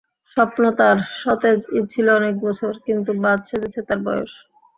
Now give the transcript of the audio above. স্বপ্ন তার সতেজই ছিল অনেক বছর, কিন্তু বাঁধ সেধেছে তার বয়স।